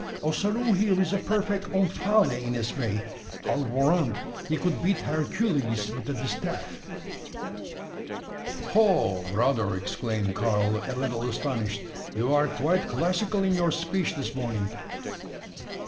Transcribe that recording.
Ossaroo here is a perfect Omphale in his way. I'll warrant he could beat Hercules with the distaff." "Ho! brother!" exclaimed Karl, a little astonished. "You are quite classical in your speech this morning.